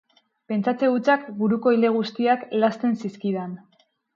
Pentsatze hutsak buruko ile guztiak lazten zizkidan.